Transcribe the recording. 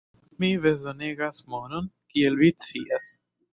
mi bezonegas monon, kiel vi scias.